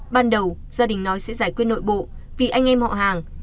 ban đầu gia đình nói sẽ giải quyết nội bộ vì anh em họ hàng